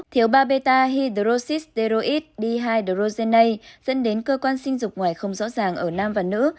thiếu ba beta hidroxysteroid dehydrogenase dẫn đến cơ quan sinh dục ngoài không rõ ràng ở nam và nữ